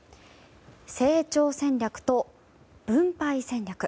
成長戦略と分配戦略。